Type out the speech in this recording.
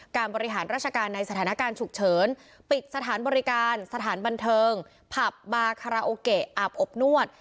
บริหารราชการในสถานการณ์ฉุกเฉินปิดสถานบริการสถานบันเทิงผับบาคาราโอเกะอาบอบนวด